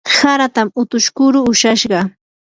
haratam utush kuru ushashqa.